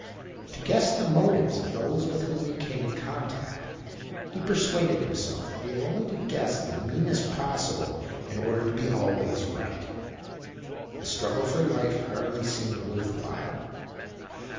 To guess the motives of those with w^hom he came in contact, he persuaded himself that he had only to guess the meanest possible in order to be always right. The struggle for life hardly seemed worth while.